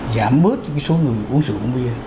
giảm bớt số người uống rượu bia